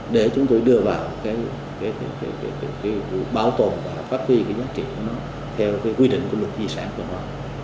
để chúng tôi đưa vào cái bảo tồn và phát huy cái giá trị của nó theo cái quy định của luật di sản của nó